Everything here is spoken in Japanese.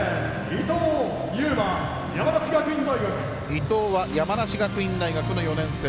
伊藤は山梨学院大学の４年生。